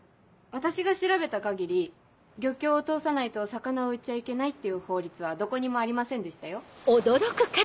私が調べた限り漁協を通さないと魚を売っちゃいけないっていう法律はどこにもありませんでしたよ。